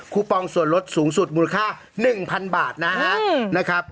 อปองส่วนลดสูงสุดมูลค่า๑๐๐๐บาทนะครับ